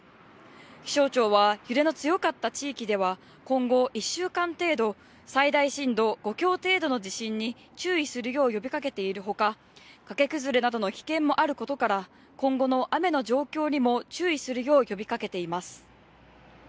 気象庁は、揺れの強かった地域では今後１週間程度、最大震度５強程度の地震に注意するよう呼びかけているほか、がけ崩れなどの危険もあることから、今後の雨の状況にも注意するよう呼びかけています。